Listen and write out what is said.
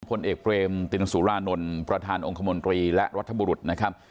พลเอกเบรมตินสุรานนท์ประธานองค์คมนตรีและรัฐบุรุษนะครับ